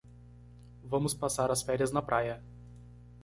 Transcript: Vamos passar as férias na praia